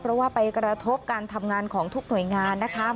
เพราะว่าไปกระทบการทำงานของทุกหน่วยงานนะคะ